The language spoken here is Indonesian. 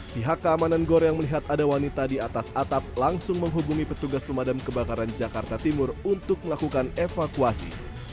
pihak keamanan gor yang melihat ada wanita di atas atap langsung menghubungi petugas pemadam kebakaran jakarta timur untuk melakukan evakuasi